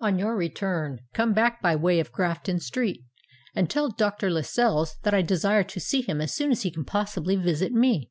On your return, come back by way of Grafton Street, and tell Dr. Lascelles that I desire to see him as soon as he can possibly visit me."